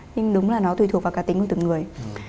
nhưng đúng là nó tùy thuộc vào cá tính của từng người